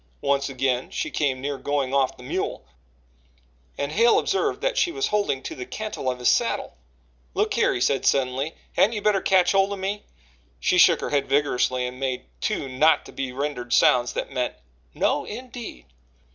Once again she came near going off the mule, and Hale observed that she was holding to the cantel of his saddle. "Look here," he said suddenly, "hadn't you better catch hold of me?" She shook her head vigorously and made two not to be rendered sounds that meant: "No, indeed."